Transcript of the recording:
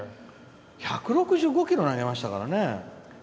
１６５キロ投げましたけどね。